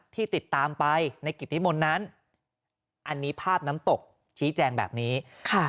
ที่ติดตามไปในกิจนิมนต์นั้นอันนี้ภาพน้ำตกชี้แจงแบบนี้ค่ะ